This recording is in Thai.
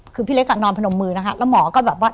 คือพี่เล็กอ่ะนอนพนมมือนะคะแล้วหมอก็แบบว่า